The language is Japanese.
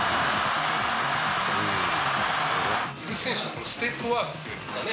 菊池選手のステップワークっていうんですかね。